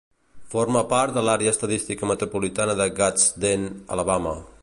Forma part de l'àrea estadística metropolitana de Gadsden, Alabama.